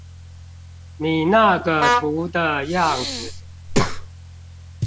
你那個圖的樣子